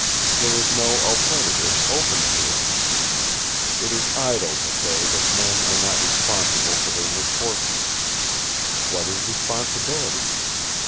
There is no alternative open to us. It is idle to say that men are not responsible for their misfortunes. What is responsibility?